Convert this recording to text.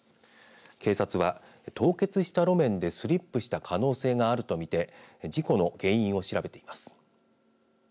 警察は凍結した路面でスリップした可能性もあると見て事故の原因を調べています。